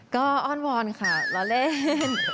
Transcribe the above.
ก็อ้อนวอนค่ะล้อเล่น